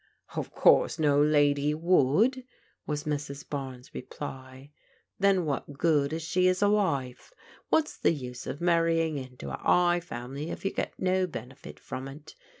Of course no lady would," was Mrs. Barnes' reply. Then what good is she as a wife? What's the use of marrying into a 'igh family if you get no benefit from it?